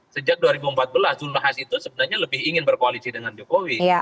sejak dua ribu empat belas zulhas itu sebenarnya lebih ingin berkoalisi dengan jokowi